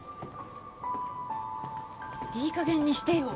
いいかげんにしてよ。